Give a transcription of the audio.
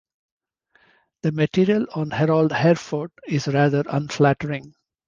The material on Harold Harefoot is rather unflattering.